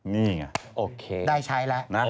นี่เหรอโอเคได้ใช้แล้ว